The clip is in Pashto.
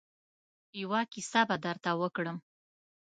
يوه کيسه به درته وکړم.